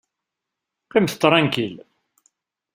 Qqimet tṛankil!